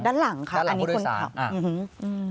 ด้านหลังค่ะอันนี้คืออื้อฮือ